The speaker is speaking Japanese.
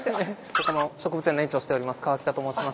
ここの植物園の園長をしております川北と申します。